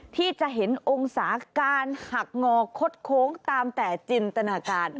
ที่จะเห็นองศาการหักงอคดโค้งตามแต่จินตนาการ